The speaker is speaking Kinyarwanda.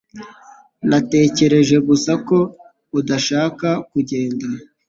Natekereje gusa ko udashaka kugenda.